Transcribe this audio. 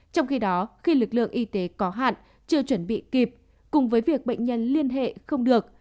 trong khi đó khi lực lượng y tế có hạn chưa chuẩn bị kịp cùng với việc bệnh nhân liên hệ không được